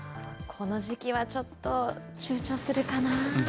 この時期はちょっと、ちゅうちょするかなぁ。